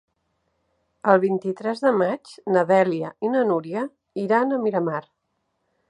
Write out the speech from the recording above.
El vint-i-tres de maig na Dèlia i na Núria iran a Miramar.